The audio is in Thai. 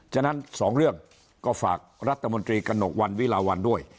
ฉะนั้นสองเรื่องก็ฝากรัฐมนตรีกระหนกวันวิลาวันด้วย